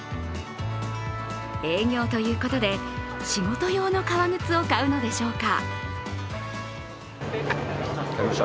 営業ということで仕事用の革靴を買うのでしょうか。